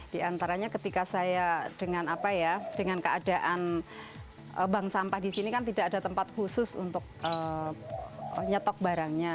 di antaranya ketika saya dengan keadaan bank sampah di sini tidak ada tempat khusus untuk menyetok barangnya